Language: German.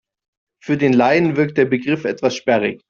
Für den Laien wirkt der Begriff etwas sperrig.